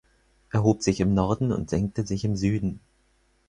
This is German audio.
Er hob sich im Norden und senkte sich im Süden.